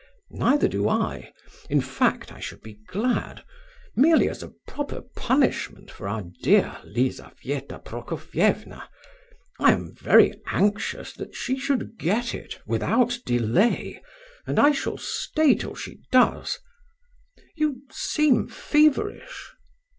"Neither do I; in fact, I should be glad, merely as a proper punishment for our dear Lizabetha Prokofievna. I am very anxious that she should get it, without delay, and I shall stay till she does. You seem feverish."